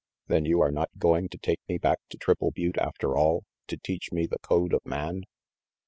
"Then you are not going to take me back to Triple Butte after all, to teach me the code of man?"